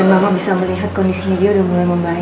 dan mama bisa melihat kondisi dia udah mulai membaik al